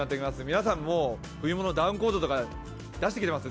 皆さん冬物ダウンコートとか出していますか？